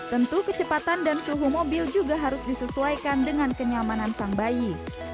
tentu kecepatan dan suhu mobil juga harus disesuaikan dengan kenyamanan sang bayi